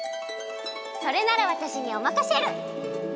それならわたしにおまかシェル！